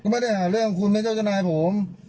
ก็ไม่ได้หาเรื่องนายเจ้าจรุ่นนายผม